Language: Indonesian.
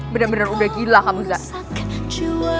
benar benar udah gila kamu zat